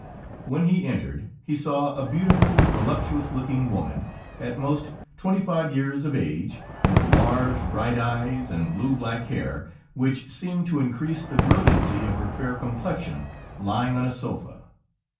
When he entered, he saw a beautiful, voluptuous looking woman, at most, twenty five years of age, with large, bright eyes and blue black hair, which seemed to increase the brilliancy of her fair complexion, lying on a sofa.